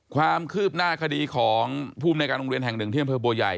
ความคืบหน้าคดีของภูมิในการโรงเรียนแห่งหนึ่งที่อำเภอบัวใหญ่